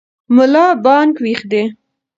ملا بانګ ویښ دی.